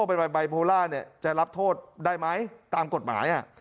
เป็นไบโพล่าจะรับโทษได้ไหมตามกฎหมาย